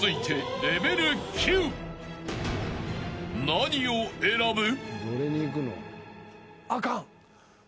［何を選ぶ？］